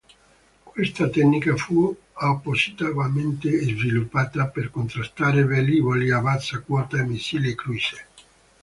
Questa tecnica fu appositamente sviluppata per contrastare velivoli a bassa quota e missili Cruise.